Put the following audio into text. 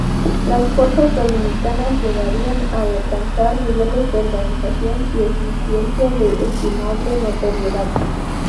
Las fuerzas dominicanas llegarían a alcanzar niveles de organización y eficiencia de estimable notoriedad.